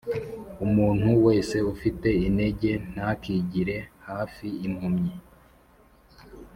Umuntu wese ufite inenge ntakigire hafi impumyi